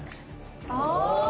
あ。